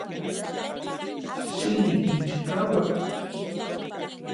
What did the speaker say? Chili yichikauak.